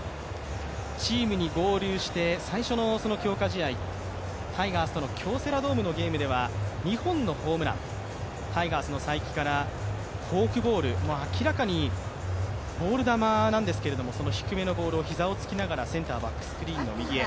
チームに合流して最初の強化試合、タイガースとの京セラドームの試合では２本のホームラン、タイガースの才木からフォークボール、明らかにボール球なんですけど、膝をつきながらセンターバックスクリーンへ。